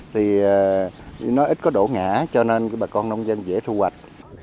thì nó ít có đổ ngã cho nên bà con nông dân dễ thu hoạch